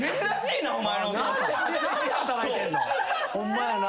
ホンマやな。